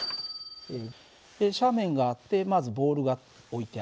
斜面があってまずボールが置いてあります。